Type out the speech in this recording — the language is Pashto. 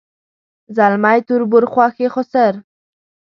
ځلمی تربور خواښې سخر